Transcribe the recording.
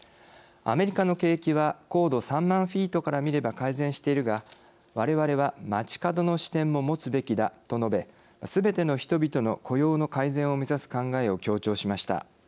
アメリカの景気は高度３万フィートから見れば改善しているが、われわれは街角の視点も持つべきだと述べすべての人々の雇用の改善を目指す考えを強調しました。